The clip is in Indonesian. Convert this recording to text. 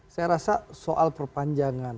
saya rasa soal perpanjangan